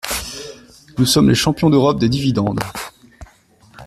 Nous sommes les champions d’Europe des dividendes.